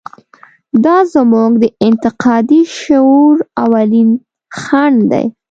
دا زموږ د انتقادي شعور اولین خنډ دی.